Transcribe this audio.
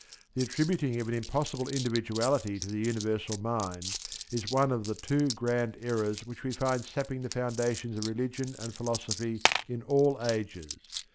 The attributing of an impossible individuality to the Universal Mind is one of the two grand errors which we find sapping the foundations of religion and philosophy in all ages.